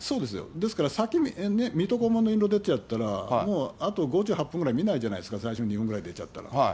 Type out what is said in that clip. ですから、水戸黄門の印籠が先に出ちゃったら、もう、あと５８分ぐらい、見ないじゃないですか、最初の２分ぐらいに出ちゃったら。